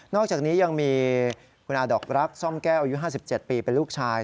อกจากนี้ยังมีคุณอาดอกรักซ่อมแก้วอายุ๕๗ปีเป็นลูกชาย